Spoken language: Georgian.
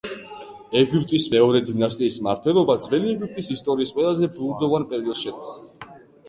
ეგვიპტის მეორე დინასტიის მმართველობა ძველი ეგვიპტის ისტორიის ყველა ბუნდოვან პერიოდში შედის.